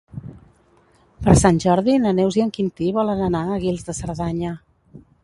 Per Sant Jordi na Neus i en Quintí volen anar a Guils de Cerdanya.